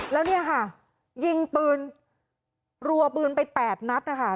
แล้วเนี่ยค่ะยิงปืนรัวปืนไป๘นัดนะคะ